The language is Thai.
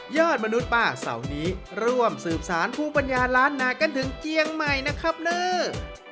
ยอดมนุษย์ป้าเสาร์นี้ร่วมสูบสารผู้ปัญญาร้านนาทน์กระถึงเจียงใหม่นะครับเนอร์